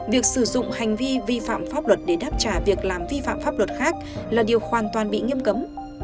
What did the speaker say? việc sử dụng hành vi vi phạm pháp luật để đáp trả việc làm vi phạm pháp luật khác là điều hoàn toàn bị nghiêm cấm